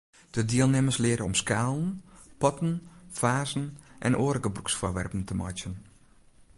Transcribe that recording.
De dielnimmers leare om skalen, potten, fazen en oare gebrûksfoarwerpen te meitsjen.